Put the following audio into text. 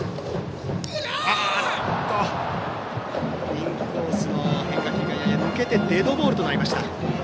インコースの変化球がやや抜けてデッドボールとなりました。